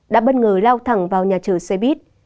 đã bất ngờ lao thẳng vào nhà chở xe buýt